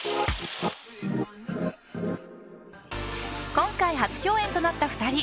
今回、初共演となった２人。